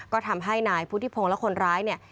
ก็ทำให้นายพุทธิพงศ์และคนร้ายเนี่ย